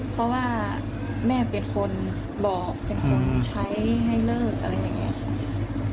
เพราะว่าแม่เป็นคนบอกเป็นคนใช้ให้เลิกอะไรอย่างนี้